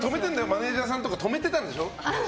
マネジャーさんとか止めてたんでしょ。